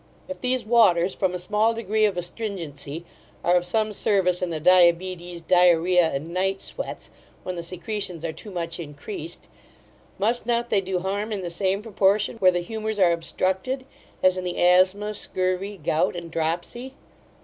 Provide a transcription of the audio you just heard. If these waters, from a small degree of astringency, are of some service in the diabetes, diarrhoea, and night sweats, when the secretions are too much increased, must not they do harm in the same proportion, where the humours are obstructed, as in the asthma, scurvy, gout and dropsy?